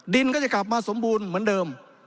ดินก็จะกลับมาสมบูรณ์เหมือนเดิม